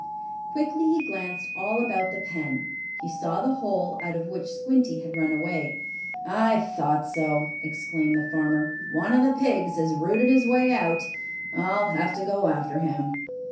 Quickly he glanced all about the pen. He saw the hole out of which Squinty had run away. "I thought so!" exclaimed the farmer. "One of the pigs has rooted his way out. I'll have to go after him.